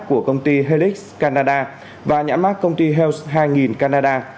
của công ty helix canada và nhãn mát công ty health hai nghìn canada